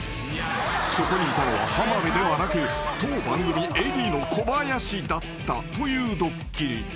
［そこにいたのは浜辺ではなく当番組ＡＤの小林だったというドッキリ］